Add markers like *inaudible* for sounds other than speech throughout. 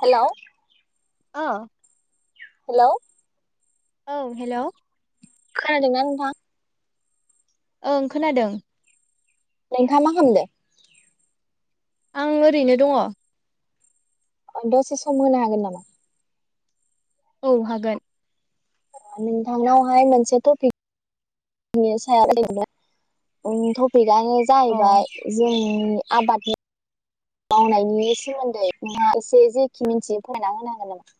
Hello. ओ। Hello. औ hello. खोनादोंना नोंथां? ओं खोनादों। नोंथाङा मा खामदों? आं ओरैनो दङ। औ दसे सम होनो हागोन नामा? औ हागोन। नोंथांनावहाय मोनसे टपिक नि सायाव *unintelligible* टपिक आनो अ जाहैबाय जोंनि आबाद मावनायनि सोमोन्दै नोंहा एसे जेखि मिथियो फोरमायना होनो हागोन नामा?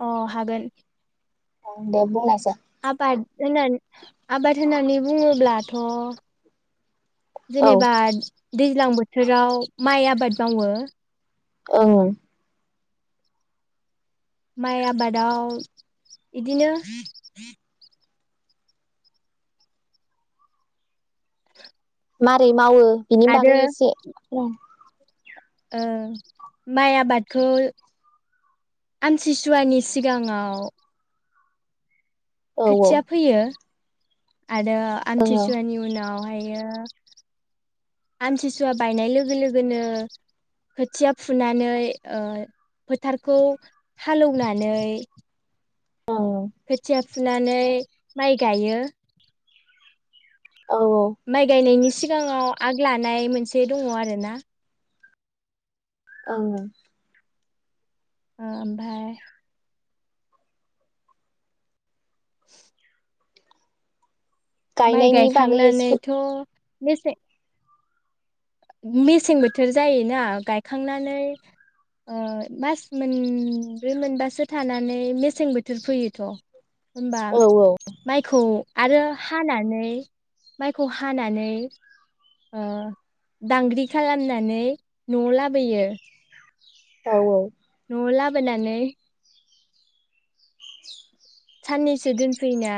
अ हागोन। ओं दे बुंनायसाय। आबाद होनना आबाद होननानै बुङोब्लाथ' औ जेनोबा दैज्लां बोथोराव माइ आबाद मावो ओं। माइ आबादाव इदिनो मारै मावो बिनि आरो बागै एसे ओम ओ माइ आबादखौ आमथिसुवानि सिगाङाव औ ओं खोथिया फोयो आरो औ आमथिसुवानि उनावहाय गाइयो। आमथिसुवा बायनाय लोगो लोगोनो खोथिया फुनानै ओ फोथारखौ हालौनानै औ ओम। खोथिया फुनानै माइ गाइयो। औ माइ गायनायनि सि सिगाङाव आग लानाय मोनसे दङ आरो ना। ओं। ओ ओमफाय *inaudible* माइ गायनायनि बागै एसे गायखांनानैथ' मेसे मेसें बोथोर जायोना गायखांनानै ओ मास मोनब्रै मोनबासो थानानै मेसें बोथोर फैयोथ' होनबा औ माइखौ आरो हानानै माइखौ हानानै ओ दांग्रि खालामनानै न'आव लाबोयो। औ औ। न लाबोनानै। साननैसो दोनफैना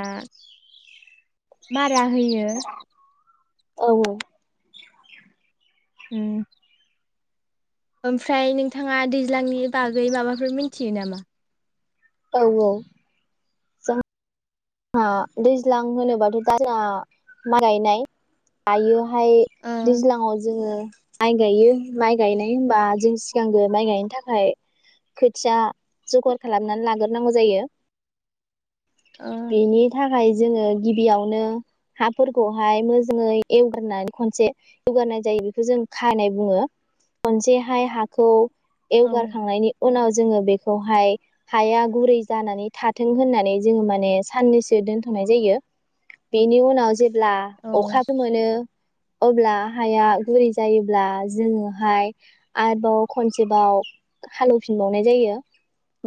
मारा होयो। औ औ। उम। ओमफ्राय नोंथाङा दैज्लांनि बागै माबाफोर मिथियो नामा? औ औ। ओ दैज्लां होनोबाथ' दा जोंहा माइ गायनाय गायो। हाय ओ दैज्लाङाव जोङो। माइ गायो माइ गायनाय होबा जों सिगांगो माइ गायनो थाखाय खोथिया जुगार खालामनानै लाग्रोनांगौ जायो। ओ बेनि थाखाय। जोङो गिबियावनो हाफोरखौहाय मोजाङै एवगारनानै खनसे एवगारनाय जायो बेखौ जों खानाय बुङो खनसेहाय हाखौ। औ एवगारखांनायनि उनाव जोङो बे। खौहाय हाया गुरै जानानै थाथों होननानै जोङो माने। साननैसो दोनथ'नाय जायो बेनि उनाव जे। ब्ला अखाबो मोनो। अब्ला हाया गुरै जायोब्ला जोङोहाय आरोबाव खनसेबाव हालेव फिनबावनाय जायो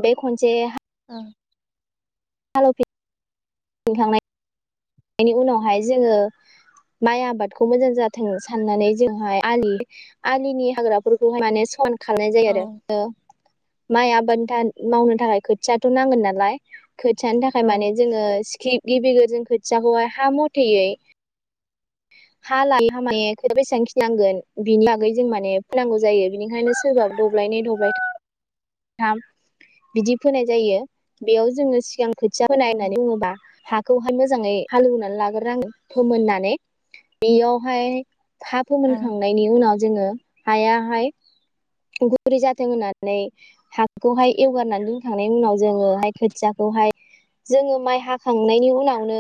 बे खनसे हा ओं। हालेव फि खांनाय। बेनि उनावहाय जोङो माइ आबादखौ मोजां जाथों साननानै जोंहाय आलि आलिनि हाग्राफोरखौहाय माने स खांनाय जायो ओ आरो औ। माइ आबाद था मावनो थाखाय खोथियाथ' नांगोन नालाय। खोथिानि थाखाय औ माने जोङो स्क्रि गिबि जों। जाबावहाय हा मथेयै। हा लायो हा माने खो बेसेबां खिनांगोन बिनि बागै जों माने फोनांगौ जायो बिनिखायनो सोरबाब दब्लायनै दब्लाय थाम बिदि फोनाय जायो बेयाव जोङो सिगां। खोथिया औ फोनाय होननानै बुङोबा हा। खौहाय मोजाङै हालेवनानै लाग्रो नांगो फोमोननानै। बियावहाय हा औ फोमोनखांनायनि उनाव जोङो हायाहाय गुरै जाथों होननानै हाखौहाय एवगारनानै दोनखांनायनि उनाव जोङोहाय खोथियाखौहाय जोङो माइ हाखांनायनि उनावनो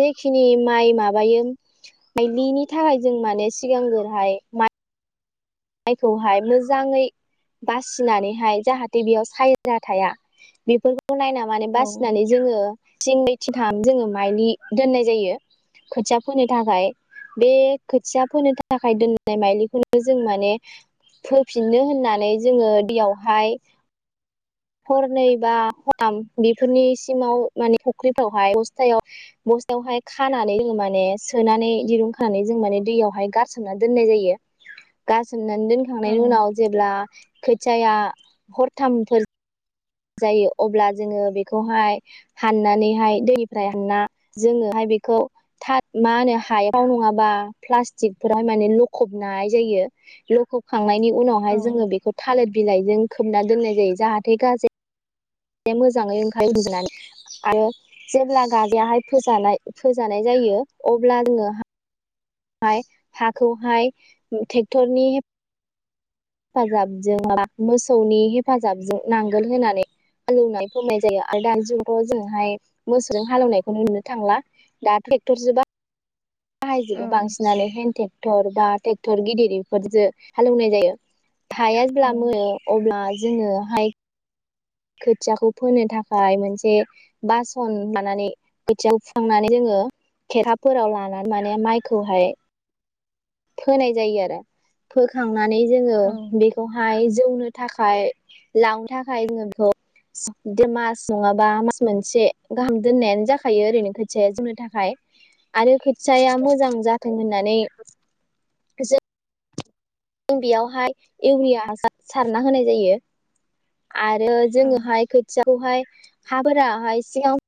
जेखिनि माइ माबायो माइलिनि थाखाय जों माने सिगांग्रोहाय मा मायखौहाय मोजाङै बासिनानैहाय जाहाथे बेयाव सायना थाया बेफोर खौ नायना माने ओ बासिनानै जोङो थिं नै थिंथाम जोङो माइलि दोननाय जायो खोथिया फोनो थाखाय बे खोथिया फोनो थाखाय दोननाय माइलिखौनो जों माने फोफिननो होननानै जोङो दैयावहाय हरनै बा हराम बिफोरनि सिमाव माने फुख्रिफ्रावहाय बस्थायाव बस्थायावहाय खानानै जों माने सोनानै दिरुं खानानै जों माने दैयावहाय गारसोमनानै दोननाय जायो गा सोनानै औ दोनखांनायनि उनाव जेब्ला खो जाया हरथामफोर जायो अब्ला जोङो बेखौहाय हाननानैहाय दैनिफ्राय हानना जोङोहाय बेखौ मा होनो हायाव नङाबा प्लास्टिकफोरावहाय माने लखबनाय जायो लखबखांनायनि उनावहाय ओ जोङो बेखौ थालिर बिलाइजों खोबना दोननाय जायो जाहाथे गाजै मोजाङै ओंखाय होनजनानै आरो जेब्ला गाजायाहाय फोजानाय फोजानाय जायो अब्ला जोङो हाय हाखौहाय ट्रेक्टरनि हेफाजाबजों माबा मोसौनि हेफाजाबजों नांगोल होनानै हालौवनाय फमनाय जायो आरो दानि जुगथ जोंहाय मोसौजों हालेवनायखौ नुनो थांला दा ट्रेक्टर जोबा औ बाहायजोबो औ बांसिनानो हेन्द ट्रेक्टर बा ट्रेक्टर गिदिरफोरजों हालेवनाय जायो हाया जेब्ला ओ मोनो अब्ला जोङो हाय खोथियाखौ फोनो थाखाय मोनसे बासन लानानै खोथियाखौ फुखांनानै जोङो खेरथाबफोराव लानानै माने माइखौहाय फोनाय जायो आरो फोखां नानै जोंङो बेखौहाय जोंनो थाखाय लांनो थाखाय जोङो बेखौ मास नङाबा मास मोनसे गाहाम दोननायानो जाखायो ओरैनो खोथिया जौनो थाखाय आरो खोथियाया मोजां जाथों होननानै *unintelligible* जों बेयावहाय इउरिया हासार सारना होनाय जायो। आरो औ जोङोहाय खोथिया खौहाय हाफोराहाय सिगां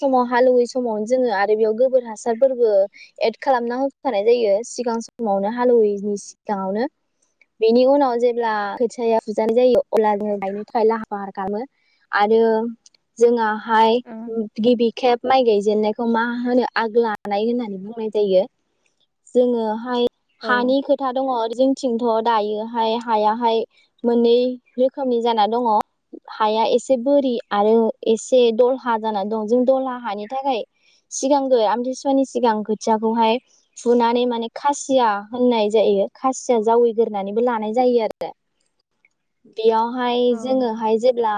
समाव हालौवै समावनो जोङो आरो बेयाव गोबोर हासारफोरबो एद खालामना होखानाय जायो सिगां समावनो हालौवैनि सिगाङावनो बेनि उनाव जेब्ला खोथियाया फुजानाय जायो अब्ला जों गायनो थाखाय लाहार फाहार खालामो आरो जोंहाहाय गिबि खेब माइ गायजेननायखौ मा होनो आग लानाय होननानै बुंनाय जायो जोङोहाय ओ हानि खोथा दङ आरो जों निथिंथ दायोहाय हायाहाय मोननै रोखोमनि जाना दङ हाया एसे बोरि आरो एसे दलहा जाना दं। जों दला हानि थाखाय सिगांग्रो आमथिसुवानि सिगां खोथियाखौहाय फुनानै माने खासिया होननाय जायो खासिया जावैग्रानैबो लानाय जायो आरो बेयावहाय औ अ जोङोहाय जेब्ला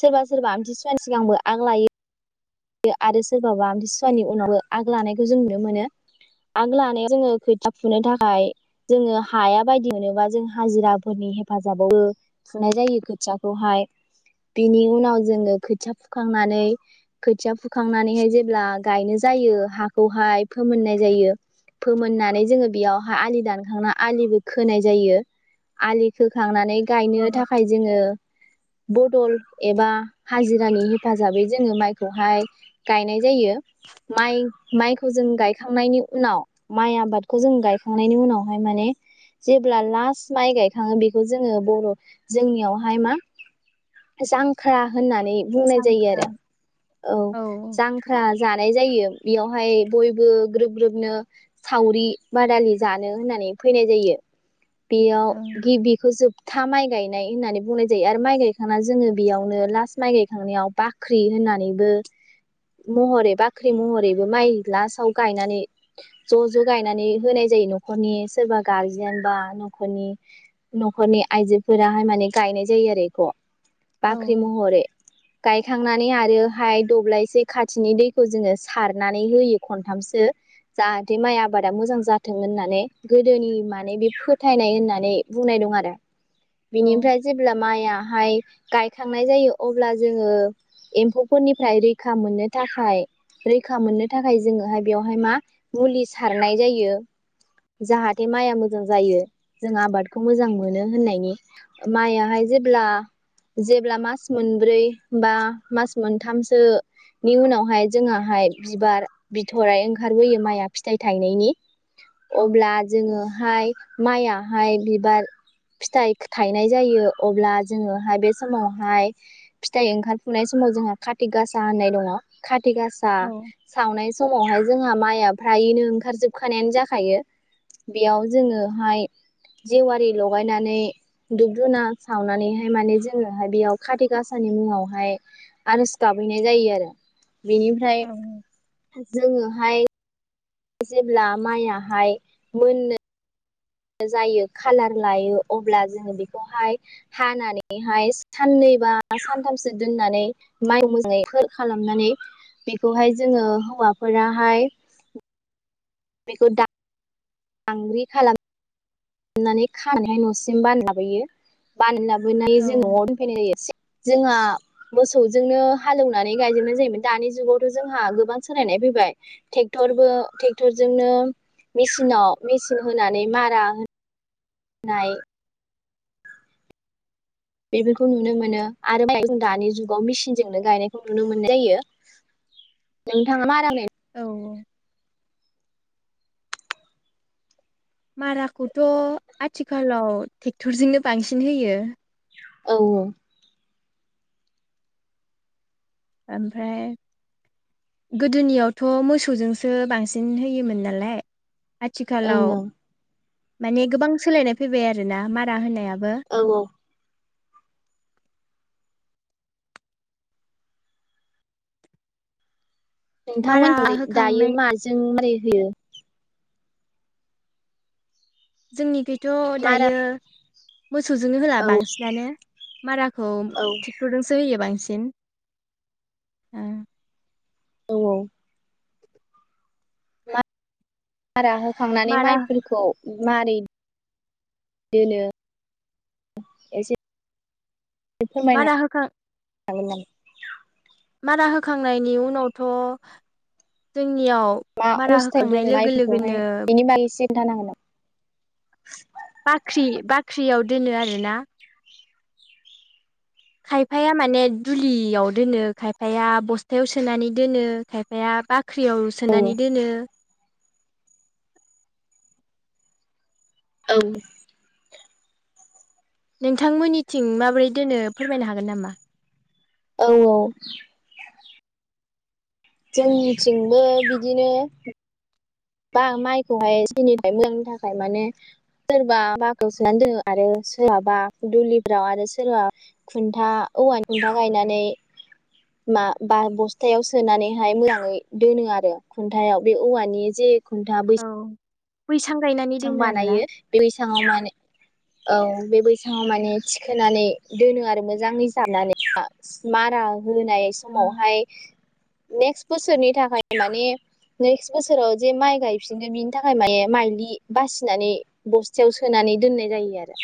सोरबा सोरबा आमथिसुवानि सिगांबो आग लायो आरो सोरबाबा आमतसुवानि उनावबो आग लानायखौ जों नुनो मोनो आग लानायाव जोङो खोथिया फुनो थाखाय जोङो हाया बायदि मोनोबा जों हाजिराफोरनि हेफाजाबावबो फुनाय जायो खोथियाखौहाय बिनि उनाव जोङो खोथिया फुखांनानै खोथिया फु खांनानैहाय जेब्ला गायनो जायो हाखौ हाय फोमोननाय जायो फोमोननानै जोङो बेयाव आलि दानखां ना आलि बो खोनाय जायो आलि खोखांनानै गायनो औ थाखाय जोङो बदल एबा हाजिरानि हेफाजाबै जोङो माइखौ हाय गायनाय जायो माइ माइखौ जों गायखांनायनि उनाव माइ आबादखौ जों गायखांनायनि उनावहाय माने जेब्ला लास्ट माइ गायखाङो बेखौ जोङो बर' जोंनियावहाय मा जांख्रा होननानै बुंनाय जायो जांख्रा आरो औ जांख्रा जानाय जायो बेयावहाय बयबो ग्रोब ग्रोबनो सावरि बादालि जानो होननानै फैनाय जायो। बेयाव ओं गिबिखौ जोब था माइ गायनाय होननानै बुंनाय जायो आरो माइ गायखांना जोङो बेयावनो लास्ट माइ गायखांनायाव बाख्रि होननानै महरै बाख्रि महरैबो माइ लास्टाव गायनानै ज' ज' गायनानै होनाय जायो न'खरनि सोरबा गारजेन बा नखरनि न'खरनि आइजोफोराहाय माने गायनाय जायो आरो बेखौ औ बाख्रि महरै। गायखांनानै आरो हाय दब्लायसे खाथिनि दैखौ जोङो सारनानै होयो खनथामसो जाहाथे माइ आबादा मोजां जाथों होननानै गोदोनि माने बे फोथायनाय होननानै बुंनाय दं आरो। औ बिनिफ्राय जेब्ला माइआाहाय गायखांनाय जायो अब्ला जोङो एम्फौ फोरनिफ्राय रैखा मोननो थाखाय रैखा मोननो थाखाय जोङोहाय बेयावहाय मा मुलि सारनाय जायो जाहाथे माइआ मोजां जायो जों आबादखौ मोजां मोनो होननायनि माइआहाय जेब्ला जेब्ला मास मोनब्रै बा मास मोनथामसोनि उनावहाय जोंहा हाय बिबार बिथराइ ओंखारबोयो माइआ फिथाइ थायनायनि अब्ला जोङोहाय माइयहाय बिबार फिथाइ थाइनाय जायो अब्ला जोङोहाय बे समावहाय फिथाइ ओंखारफुनाय समाव समाव जोंहा खाति गासा होननाय दङ खाति गासा औ सावनाय समावहाय जोंहा माइया फ्रायैनो ओंखारजोबखानायानो जाखायो बेयाव जोङोहाय जेवारि लगायनानै दुुब दुना सावनानैहाय माने जोङोहाय बेयाव खाति गाासानि मुङावहाय आरज गाबहैनाय जायो आरो। बेनिफ्राय औ जोङोहाय जेब्ला माइयाहाय मोननो जायो खाालार लायो अब्ला जोङो बेखौहाय हानानैहाय साननै बा सानथामसो दोननानै माइ मोजाङै खालामनानै बेखौहाय जोङो हौवाफोराहाय बेखौ दा दांग्रि खालाम हनानै खानायहाय न'सिम बान लाबोयो बान *unintelligible* मोननायायो जों न'आव औ दफैनाय जायो एसे *unintelligible* जोंहा मोसौजोंनो हालेवनानै गायजोबनाय जायोमोन दानि जुगावथ' जोंहा गोबां सोलायनाय फैबाय ट्रेक्टरबो ट्रेक्टर जोंनो मेसिनाव मेसिन होनानै मारा होन नाय। बेफोरखौ नुनो मोनो आरो जों दानि जुगाव मेसिन जोंनो गायनायखौ नुनो मोननाय जायो नोंथाङा मारा होनायखौ *inaudible* औऔ। माराखौथ' आथिखालाव ट्रेक्टरजोंनो बांसिन होयो। औ औ। ओमफ्राय गोदोनियावथ' मोसौजोंसो बांसिन होयोमोन नालाय ओं आथिखालाव ओं माने गोबां सोलायनाय फैबाय आरोोना मारा होनायाबो औ औ। मारा नोंथांमोननि दायो होखांनाय माजों *unintelligible* होयो? जोंनिखै थ' मारा दायो मोसौजोंनो होला औ बांसिनानो माराखौ औ ट्रेक्टरजोंसो होयो बांसिन थिं उम। औ औ। मा रा होखांनानै मारा माइफोरखौ मारै दोनो एसे फोरमायनो मारा होखां *unintelligible* मारा होखांनायनि उनावथ' जों मा अबसथायावहाय दोनो माइफोरखौहाय लोगोनो बेनि बागै एसे खोनथानो हागोन नामा? बाख्रि बाख्रियाव दोनो आरोना। खायफाया माने दुलियाव दोनो खायफाया बस्थायाव सोनानै दोनो खायफाया बाख्रियाव औ सोनानै दोनो। औ। नोंथांमोननिथिं माबोरै दोनो फोरमायनो हागोन नामा? औ औ जोंनिथिंबो बिदिनो बा माइखौहाय सिनिफ्राय मोजांनि थाखाय माने सोरबा बाख्रिआव सोनानै दोनो आरो सोरहाबा दुलिफोराव आरो सोरबा खुन्था औवानि खुन्था गायनानै मा बा बस्थायाव सोनानैहाय मोजाङै दोनो आरो खुन्थायाव बे औवानि जे खुन्था बै बैसां गायनानै बैसां दोनो आरोना। बानायो बे बेसाङाव माने औ बे बैसाङाव माने थिखोनानै दोनो आरो मोजाङै जानानै मारा होनाय समावहाय नेक्स बोसोरनि थाखाय माने नेक्स बोसोराव जे माइ गायफिगोन बिनि थाखाय माने माइलि बासिनानै बस्थायाव सोनानै दोननाय जायो आरो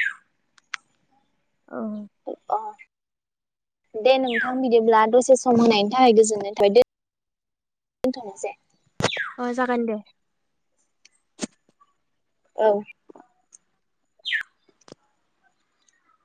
औ। अ दे नोंथां बिदिब्ला दसे सम होनायनि थाखाय गोजोननाय थाबायदै दोनथ'नोसै। अ जागोन दे। औ।